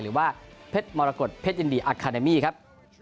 หรือว่าเพชรมรกฏเพชรยินดีอาคาเดมี่ครับ